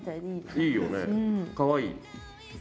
いいよねかわいい。